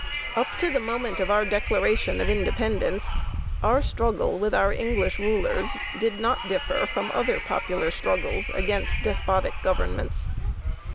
Up to the moment of our declaration of independence, our struggle with our English rulers did not differ from other popular struggles against despotic governments.